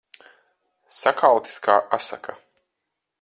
Sakaltis kā asaka.